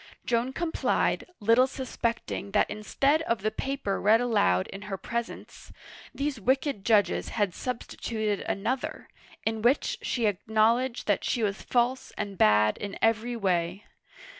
Joan complied, little suspecting that instead of the paper read aloud in her presence, these wicked judges had sub stituted another, in which she acknowledged that she was false and bad in every way.